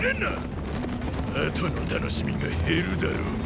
後の楽しみが減るだろうが！